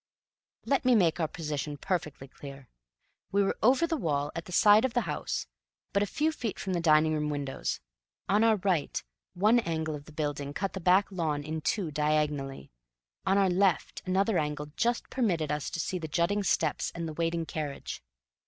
Let me make our position perfectly clear. We were over the wall, at the side of the house, but a few feet from the dining room windows. On our right, one angle of the building cut the back lawn in two diagonally; on our left, another angle just permitted us to see the jutting steps and the waiting carriage.